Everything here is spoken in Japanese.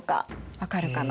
分かるかな？